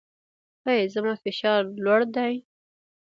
ایا زما فشار لوړ دی؟